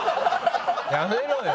やめろよ。